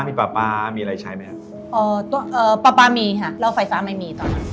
มีปลาปลามีอะไรใช้ไหมฮะเอ่อตัวเอ่อปลาปลามีค่ะแล้วไฟฟ้าไม่มีตอนนั้น